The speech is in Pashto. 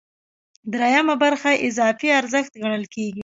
درېیمه برخه اضافي ارزښت ګڼل کېږي